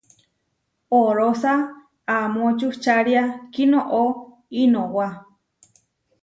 Orosá amo čučária kinoʼó inowá.